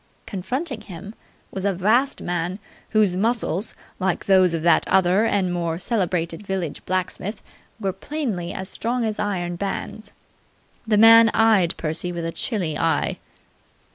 Confronting him was a vast man whose muscles, like those of that other and more celebrated village blacksmith, were plainly as strong as iron bands. This man eyed Percy with a chilly eye.